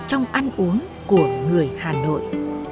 trong ăn uống của người hà nội